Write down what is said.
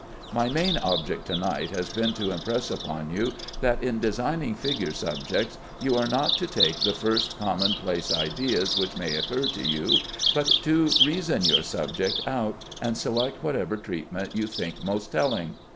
My main object to night has been to impress upon you that in designing figure subjects you are not to take the first commonplace ideas which may occur to you, but to reason your subject out, and select whatever treatment you think most telling.